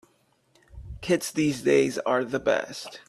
Kids these days are the best.